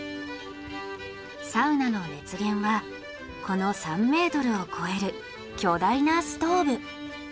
サウナの熱源はこの３メートルを超える巨大なストーブ。